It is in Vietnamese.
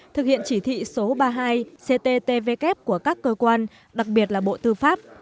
thực hiện chỉ thị số ba mươi hai cttvk của các cơ quan đặc biệt là bộ tư pháp